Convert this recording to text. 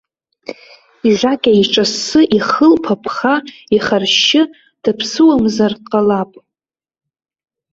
Ижакьа иҿассы, ихылԥа ԥха ихаршьшьы, даԥсыуамзар ҟалап.